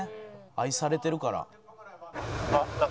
愛されてるから。